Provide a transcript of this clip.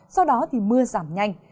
sau đó thì mưa giảm nhanh